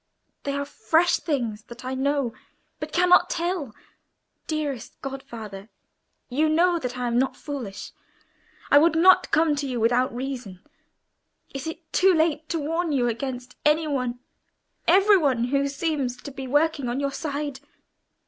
"They are fresh things that I know, but cannot tell. Dearest godfather, you know I am not foolish. I would not come to you without reason. Is it too late to warn you against any one, every one who seems to be working on your side?